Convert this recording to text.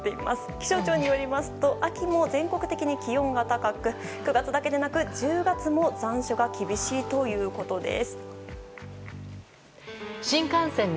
気象庁によりますと秋も全国的に気温が高く９月だけでなく１０月も残暑が厳しいということです。